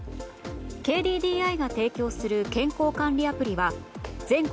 ＫＤＤＩが提供する健康管理アプリは全国